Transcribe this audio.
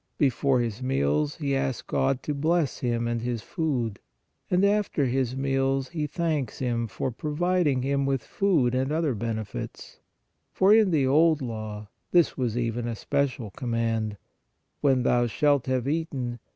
Before his meals he asks God to bless him and his food, and after his meals he thanks Him for providing him with food and other benefits, for in the Old Law this was even a special command: "When thou shalt have eaten